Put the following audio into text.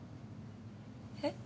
えっ？